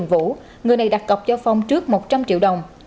nguyễn trường vũ người này đặt cọc cho phong trước một trăm linh triệu đồng